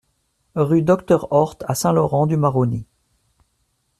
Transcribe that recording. Rue Docteur Horth à Saint-Laurent-du-Maroni